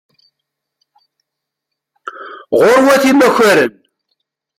Γurwat imakaren.